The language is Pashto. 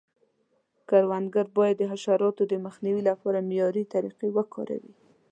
کروندګر باید د حشراتو د مخنیوي لپاره معیاري طریقې وکاروي.